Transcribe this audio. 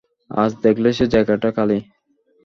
আজ দেখলে সে জায়গাটা খালি।